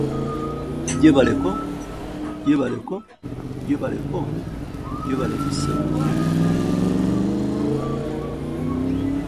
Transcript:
Some nail conditions that show signs of infection or inflammation may require medical assistance.